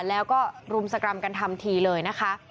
แล้วก็รุมสกรรมกันทันทีเลยนะคะ